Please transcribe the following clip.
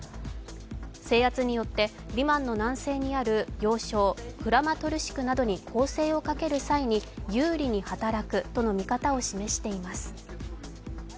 制圧によってリマンの南西にある要衝・クラマトルシクなどに攻勢をかける際に有利に働くとの見方を示しています。